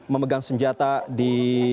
memegang senjata di